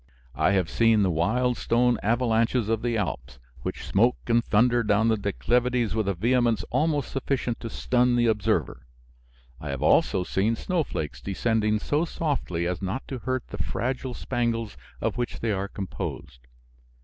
I have seen the wild stone avalanches of the Alps, which smoke and thunder down the declivities with a vehemence almost sufficient to stun the observer. I have also seen snowflakes descending so softly as not to hurt the fragile spangles of which they are composed.